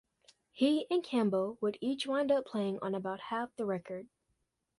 He and Campbell would each wind up playing on about half the record.